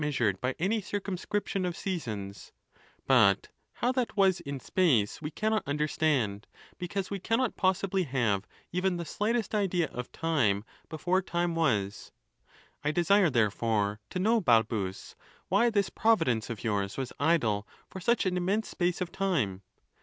isured by any circumscription of seasons ; but how that was in space we cannot understand, because we cannot possibly have even the slightest idea of time before time was. I desire, therefore, to know, Balbus, why this Providence of yours was idle for such an immense space of time?